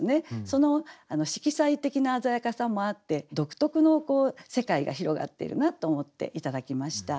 その色彩的な鮮やかさもあって独特の世界が広がっているなと思って頂きました。